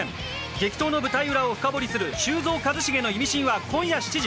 激闘の舞台裏を深掘りする「修造＆一茂のイミシン」は今夜７時。